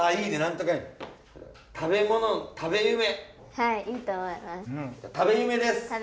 はいいいと思います。